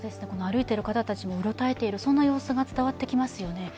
歩いている方たちもうろたえている様子が伝わってきますよね。